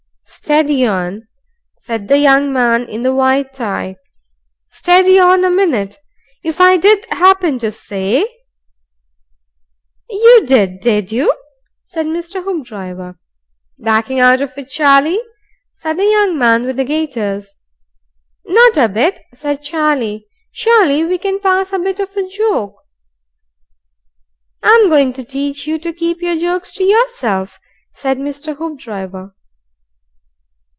"Steady on!" said the young man in the white tie. "Steady on a minute. If I did happen to say " "You did, did you?" said Mr. Hoopdriver. "Backing out of it, Charlie?" said the young man with the gaiters. "Not a bit," said Charlie. "Surely we can pass a bit of a joke " "I'm going to teach you to keep your jokes to yourself," said Mr. Hoopdriver.